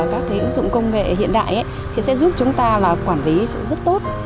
các ứng dụng công nghệ hiện đại thì sẽ giúp chúng ta quản lý sự rất tốt